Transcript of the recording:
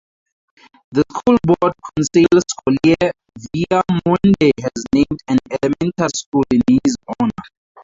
The school board Conseil scolaire Viamonde has named an elementary school in his honour.